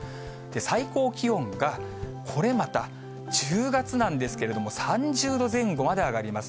最高気温がこれまた１０月なんですけれども、３０度前後まで上がります。